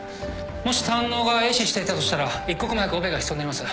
もし胆のうが壊死していたとしたら一刻も早くオペが必要になります。